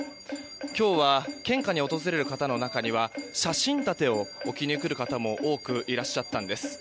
今日は、献花に訪れる方の中には写真立てを置きに来る方も多くいらっしゃったんです。